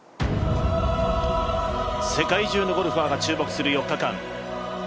世界中のゴルファーが注目する４日間。